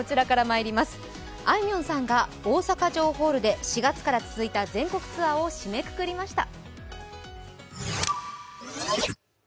あいみょんさんが大阪城ホールで４月から続いた全国ツアーを締めくくりました。